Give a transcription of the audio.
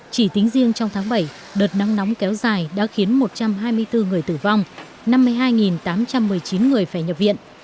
chỉ tính riêng trong tháng bảy đợt nắng nóng kéo dài đã khiến một trăm hai mươi bốn người tử vong năm mươi hai tám trăm một mươi chín người phải nhập viện